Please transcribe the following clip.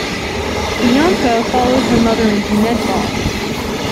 Bianca followed her mother into netball.